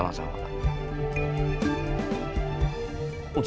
oh yaudah kalau gitu